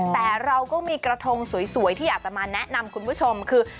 แต่เราก็มีกระทงสวยที่อยากจะมาแนะนำคุณผู้ชมคือ